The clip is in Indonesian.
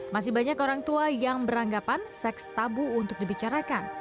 masih banyak orang tua yang beranggapan seks tabu untuk dibicarakan